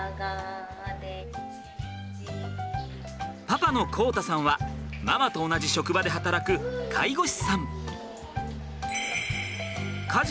パパの浩太さんはママと同じ職場で働く介護士さん。